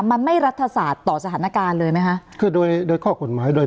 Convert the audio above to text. มันไม่รัฐศาสตร์ต่อสถานการณ์เลยไหมคะคือโดยโดยข้อกฎหมายโดย